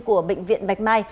của bệnh viện bạch mai